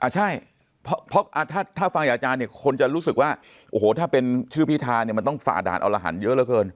ใช่เพราะถ้าฟังอาจารย์คนจะรู้สึกว่าถ้าเป็นชื่อพิธานี่มันต้องฝ่าดาลอารหันธ์เยอะเกิน